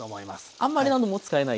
あんまり何度も使えない？